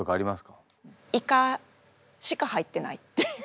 イカしか入ってないっていう。